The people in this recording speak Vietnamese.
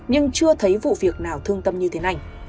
nhưng chưa thấy vụ việc nào thương tâm như thế này